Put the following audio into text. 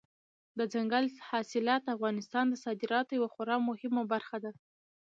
دځنګل حاصلات د افغانستان د صادراتو یوه خورا مهمه برخه ده.